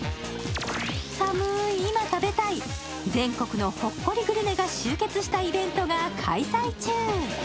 寒い今食べたい全国のほっこりグルメが集結したイベントが開催中。